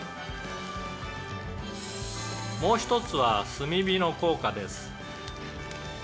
「もう一つは炭火の効果です」